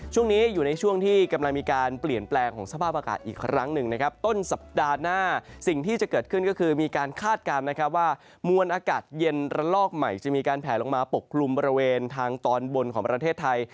ช่วงนี้อยู่ในช่วงที่กำลังมีการเปลี่ยนแปลงของสภาพอากาศอีกครั้งหนึ่งนะครับต้นสัปดาห์หน้าสิ่งที่จะเกิดขึ้นก็คือมีการคาดการณ์นะครับว่ามวลอากาศเย็นระลอกใหม่จะมีการแผลลงมาปกกลุ่มบริเวณทางตอนบนของประเทศไทย